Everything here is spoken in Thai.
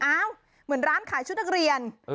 เหมือนร้านขายชุดนักเรียน